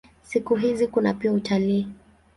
Siku hizi kuna pia utalii.